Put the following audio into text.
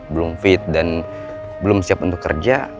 belum fit dan belum siap untuk kerja